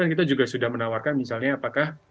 kita juga sudah menawarkan misalnya apakah